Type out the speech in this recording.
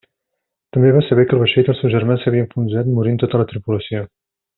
També va saber que el vaixell del seu germà s'havia enfonsat morint tota la tripulació.